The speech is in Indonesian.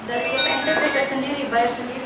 ompos omposnya bayar tersendiri